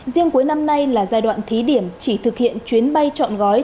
riêng cuối năm nay là giai đoạn thí điểm chỉ thực hiện chuyến bay chọn gói